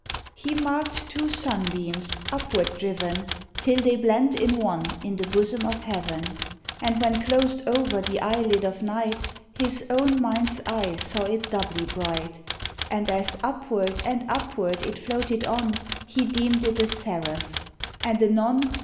He mark'd two sunbeams upward driven Till they blent in one in the bosom of heaven; And when closed o'er the eye lid of night, His own mind's eye saw it doubly bright, And as upward and upward it floated on He deemed it a seraph and anon.